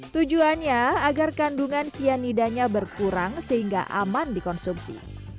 tujuannya agar kandungan cyanidanya berkurang sehingga aman dikonsumsi